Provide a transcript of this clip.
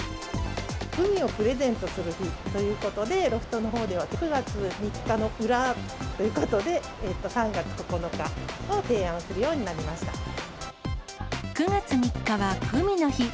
グミをプレゼントする日ということで、ロフトでは、９月３日の裏ということで、３月９日を提９月３日はグミの日。